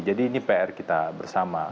jadi ini pr kita bersama